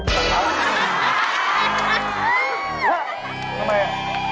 ทำไม